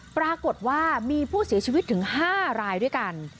ปรากฏว่ามีผู้เสียชีวิตถึง๕รายด้วยกัน